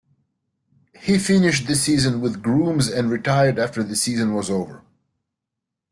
He finished the season with Grooms and retired after the season was over.